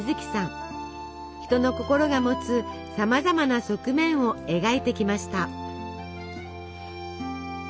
人の心が持つさまざまな側面を描いてきました。